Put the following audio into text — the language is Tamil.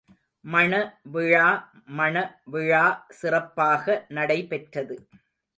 மணவிழா மணவிழா சிறப்பாக நடைபெற்றது.